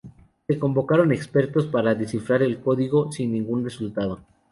Se convocaron expertos para descifrar el código, sin ningún resultado.